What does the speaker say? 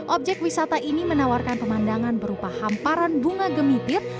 objek wisata ini menawarkan pemandangan berupa hamparan bunga gemitir